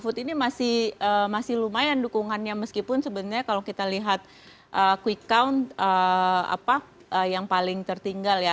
jadi ganjar mahfud ini masih lumayan dukungannya meskipun sebenarnya kalau kita lihat quick count yang paling tertinggal ya